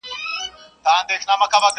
نه شاهین به یې له سیوري برابر کړي٫